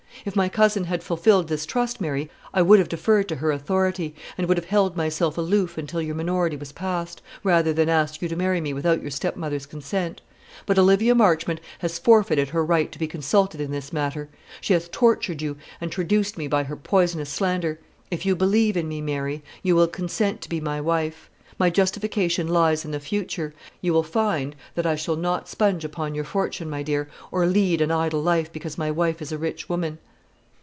If my cousin had fulfilled this trust, Mary, I would have deferred to her authority, and would have held myself aloof until your minority was passed, rather than ask you to marry me without your stepmother's consent. But Olivia Marchmont has forfeited her right to be consulted in this matter. She has tortured you and traduced me by her poisonous slander. If you believe in me, Mary, you will consent to be my wife. My justification lies in the future. You will not find that I shall sponge upon your fortune, my dear, or lead an idle life because my wife is a rich woman."